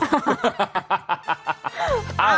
ฮ่า